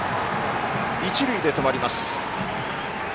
一塁で止まります。